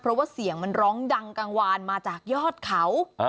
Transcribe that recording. เพราะว่าเสียงมันร้องดังกลางวานมาจากยอดเขา